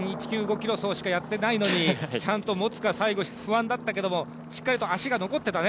ｋｍ走しかやってなかったからちゃんと持つか心配だったけどしっかりと足が残ってたね。